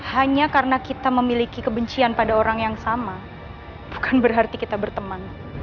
hanya karena kita memiliki kebencian pada orang yang sama bukan berarti kita berteman